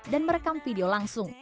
dan merekam video langsung